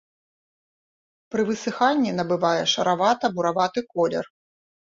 Пры высыханні набывае шаравата-бураваты колер.